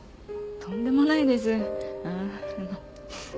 とんでもないです。